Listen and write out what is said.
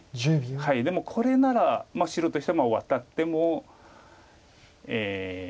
でもこれなら白としてはワタっても。